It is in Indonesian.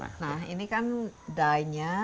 nah ini kan dainya